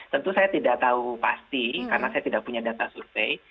tentu saya tidak tahu pasti karena saya tidak punya data survei